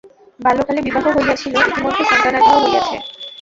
বাল্যকালে বিবাহ হইয়াছিল, ইতিমধ্যে সন্তানাদিও হইয়াছে।